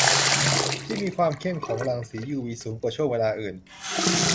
ที่มีความเข้มของรังสียูวีสูงกว่าช่วงเวลาอื่น